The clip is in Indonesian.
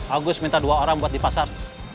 agus minta dua orang buat di pasar